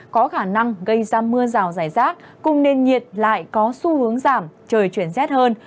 có khả năng gây ra mưa rào rải rác cùng nền nhiệt lại có xu hướng giảm trời chuyển rét hơn